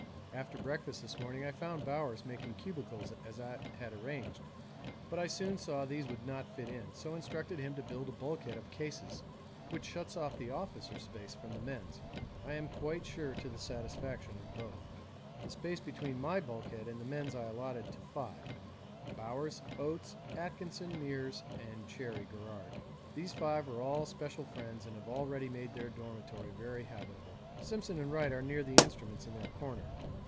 After breakfast this morning I found Bowers making cubicles as I had arranged, but I soon saw these would not fit in, so instructed him to build a bulkhead of cases which shuts off the officers' space from the men's, I am quite sure to the satisfaction of both. The space between my bulkhead and the men's I allotted to five: Bowers, Oates, Atkinson, Meares, and Cherry Garrard. These five are all special friends and have already made their dormitory very habitable. Simpson and Wright are near the instruments in their corner.